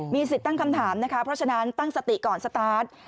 สิทธิ์ตั้งคำถามนะคะเพราะฉะนั้นตั้งสติก่อนสตาร์ท